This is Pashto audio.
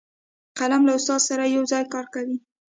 قلم له استاد سره یو ځای کار کوي